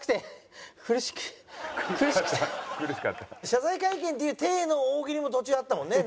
謝罪会見っていう体の大喜利も途中あったもんね。